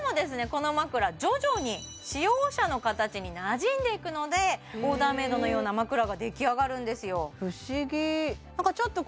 この枕徐々に使用者の形になじんでいくのでオーダーメイドのような枕が出来上がるんですよ